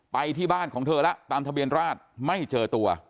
ไปที่บ้านของเธอแล้วตามทะเบียนราชไม่เจอตัว